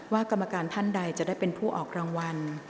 กรรมการท่านใดจะได้เป็นผู้ออกรางวัล